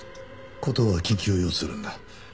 事は緊急を要するんだ。